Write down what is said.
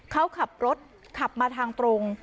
เขาขับรถขับมาทางตรง